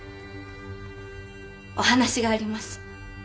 お話があります。